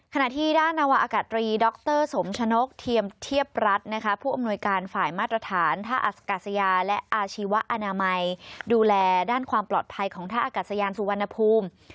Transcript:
ขณะที่ด้านนวะอากาศตรีดรสมชนกเทียมเทียบรัฐนะคะผู้อำนวยการฝ่ายมาตรฐานท่าอากาศยาและอาชีวอนามัยดูแลด้านความปลอดภัยของท่าอากาศยานสุวรรณภูมิ